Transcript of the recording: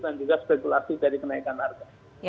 dan juga spekulasi dari kenaikan harga